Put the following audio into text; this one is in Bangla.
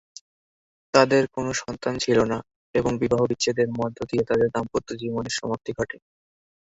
তাদের কোন সন্তান ছিল না এবং বিবাহবিচ্ছেদের মধ্য দিয়ে তাদের দাম্পত্য জীবনের সমাপ্তি ঘটে।